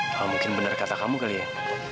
kalau mungkin benar kata kamu kali ya